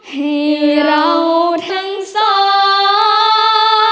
ให้เราทั้งสองนั้นมารักกัน